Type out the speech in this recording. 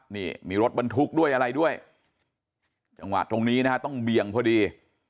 นี่มีรถบรรทุกด้วยอะไรด้วยจังหวะตรงนี้นะฮะต้องเบี่ยงพอดี